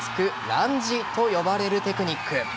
ランジと呼ばれるテクニック。